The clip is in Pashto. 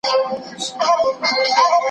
متروک لغاتونه بیا راژوندي کول پکار دي.